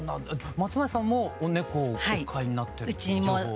松前さんもネコをお飼いになってるって情報を。